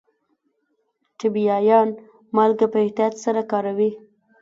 ټبیايان مالګه په احتیاط سره کاروي.